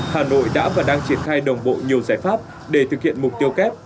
hà nội đã và đang triển khai đồng bộ nhiều giải pháp để thực hiện mục tiêu kép